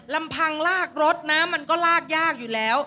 ลำพังลากรถน้ำมันก็ลากยากอยู่แล้ว